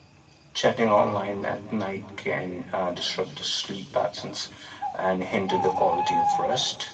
Chatting online at night can disrupt sleep patterns and hinder the quality of rest.